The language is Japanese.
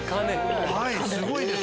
すごいです。